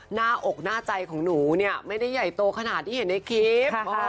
หน้าอกหน้าใจของหนูเนี่ยไม่ได้ใหญ่โตขนาดที่เห็นในคลิป